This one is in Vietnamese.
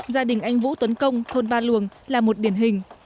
gia đình anh vũ tuấn công thôn ba luồng là một điển hình